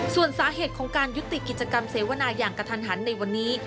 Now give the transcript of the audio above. ส่วนสาเหตุของการยุติกิจกรรมเสวนาอย่างกระทันหันในวันนี้